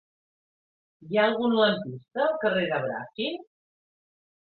Hi ha algun lampista al carrer de Bràfim?